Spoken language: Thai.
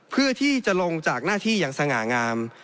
เพื่อที่จะลงจากหน้าที่อย่างสง่างาม